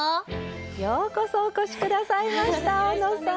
ようこそお越し下さいましたおのさん。